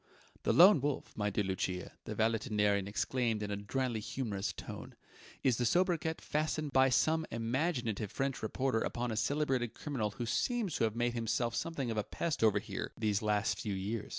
"The Lone Wolf, my dear Lucia," the valetudinarian explained in a dryly humourous tone, "is the sobriquet fastened by some imaginative French reporter upon a celebrated criminal who seems to have made himself something of a pest over here, these last few years.